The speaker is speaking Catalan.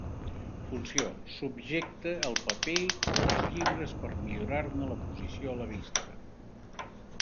Funció: subjecta el paper o els llibres per millorar-ne la posició a la vista.